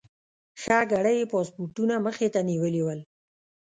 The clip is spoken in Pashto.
ښه ګړی یې پاسپورټونه مخې ته نیولي ول.